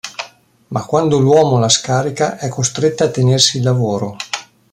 Ma quando l'uomo la scarica, è costretta a tenersi il lavoro.